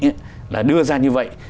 chế tài nghĩ định là đưa ra như vậy